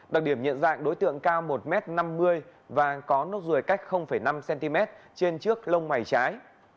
đặc điểm nhận dạng đối tượng cao một m năm mươi và có nốt ruồi cách năm cm trên trước lông mày trái